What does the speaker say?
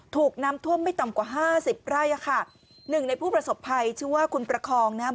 ถูกน้ำท่วมไม่ต่ำกว่าห้าสิบไร่อ่ะค่ะหนึ่งในผู้ประสบภัยชื่อว่าคุณประคองนะฮะ